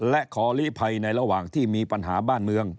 และขอลีภัยในระหว่างที่มีปัญหาบ้านเมือง